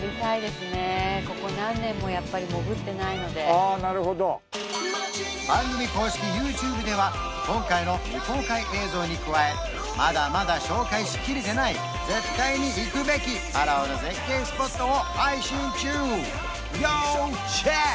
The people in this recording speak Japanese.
あなるほど番組公式ＹｏｕＴｕｂｅでは今回の未公開映像に加えまだまだ紹介しきれてない絶対に行くべきパラオの絶景スポットを配信中要チェック！